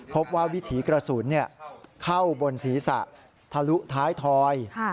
วิถีกระสุนเข้าบนศีรษะทะลุท้ายทอย